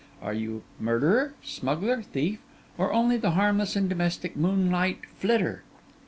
Are you murderer, smuggler, thief, or only the harmless and domestic moonlight flitter?